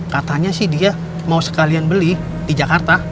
katanya sih dia mau sekalian beli di jakarta